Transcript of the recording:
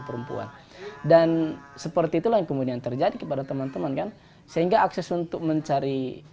perempuan dan seperti itulah yang kemudian terjadi kepada teman teman kan sehingga akses untuk mencari